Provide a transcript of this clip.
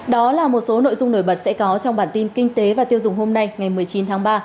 đó là một số nội dung nổi bật sẽ có trong bản tin kinh tế và tiêu dùng hôm nay ngày một mươi chín tháng ba